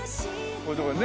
こういうとこね。